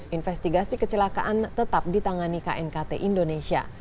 investigasi kecelakaan tetap ditangani knkt indonesia